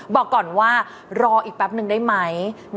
บอกก่อนว่ารออีกแป๊บนึงได้ไหม